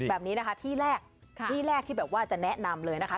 แบบนี้นะคะที่แรกที่แรกที่แบบว่าจะแนะนำเลยนะคะ